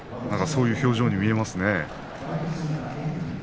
そういう表情に見えますね。